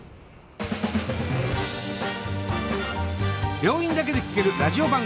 病院だけで聴けるラジオ番組。